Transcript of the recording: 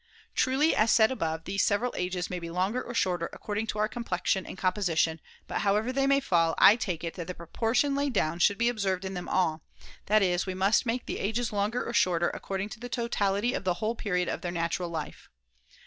Truly, as said above, {jo~\ these several ages may be longer or shorter, according to our complexion and composition, but however they may fall, I take it that the proportion laid down should be observed in them all, that is, we must make the ages longer or shorter according to the totality of the whole period of their natural life.